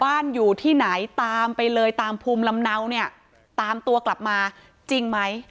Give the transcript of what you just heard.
อยู่ที่ไหนตามไปเลยตามภูมิลำเนาเนี่ยตามตัวกลับมาจริงไหม